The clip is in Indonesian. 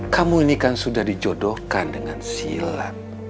kamu ini kan sudah dijodohkan dengan silat